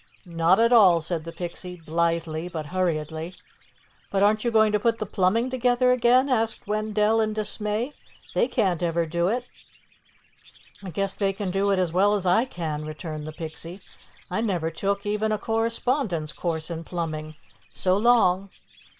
"Not at all," said the Pixie, blithely but hurriedly. "But aren't you going to put the plumbing together again?" asked Wendell in dismay. "They can't ever do it." "I guess they can do it as well as I can," returned the Pixie. "I never took even a correspondence course in plumbing. So long."